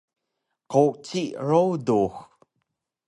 Quci rudux